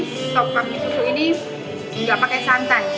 sop kambing susu ini tidak pakai santan